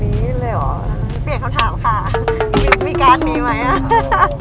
มีการมีไหม